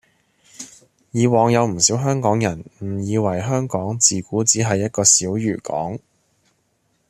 以往有唔少香港人誤以為香港自古只係一個小漁港